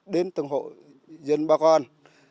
đến tầng hộ dân bà con